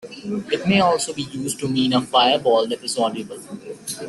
It may also be used to mean a fireball that is audible.